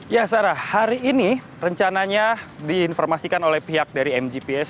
ya sarah hari ini rencananya diinformasikan oleh pihak dari mgps